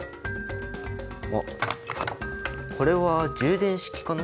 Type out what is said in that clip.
あっこれは充電式かな？